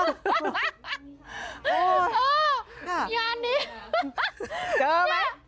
ใครออกแบบห้องน้ำวะ